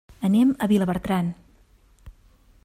Anem a Vilabertran.